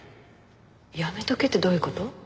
やめとけってどういう事？